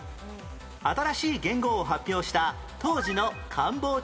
新しい元号を発表した当時の官房長官は？